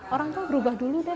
orang tua berubah dulu deh